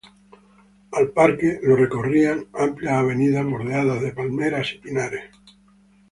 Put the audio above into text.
Al Parque, lo recorrían amplias avenidas bordeadas de palmeras y pinares.